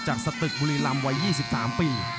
สตึกบุรีลำวัย๒๓ปี